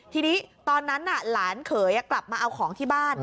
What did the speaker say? ทีนี้ตอนนั้นหลานเขยกลับมาเอาของที่บ้าน